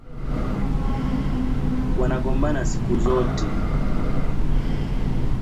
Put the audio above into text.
Wanagombana siku zote